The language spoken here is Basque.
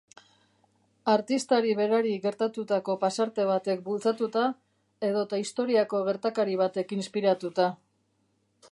Artistari berari gertatutako pasarte batek bultzatuta edota historiako gertakari batek inspiratuta.